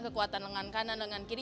kekuatan lengan kanan lengan kiri